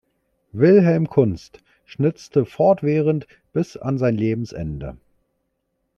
Wilhelm Kunst schnitzte fortwährend bis an sein Lebensende.